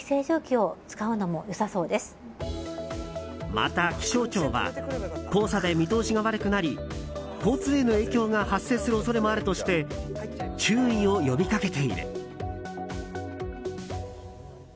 また、気象庁は黄砂で見通しが悪くなり交通への影響が発生する恐れもあるとして注意を呼び掛けている。